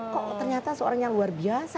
kok ternyata seorang yang luar biasa